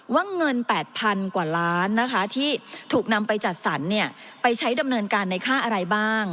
ว่าเงิน๘๐๐๐กว่าล้านนะคะที่ถูกนำไปจัดสรรไปใช้ดำเนินการในค่าอะไรบ้าง